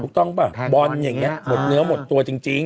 ป่ะบอลอย่างนี้หมดเนื้อหมดตัวจริง